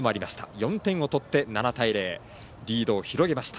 ４点を取って７対０、リードを広げました。